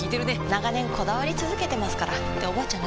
長年こだわり続けてますからっておばあちゃん